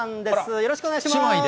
よろしくお願いします。